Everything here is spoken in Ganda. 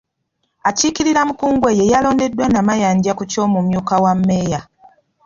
Akiikirira Mukungwe ye yalondeddwa Namayanja ku ky’omumyuka wa Mmeeya.